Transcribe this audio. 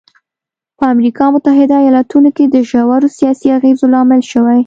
په امریکا متحده ایالتونو کې د ژورو سیاسي اغېزو لامل شوی.